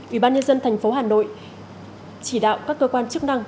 ủy ban nhân dân tp hà nội chỉ đạo các cơ quan chức năng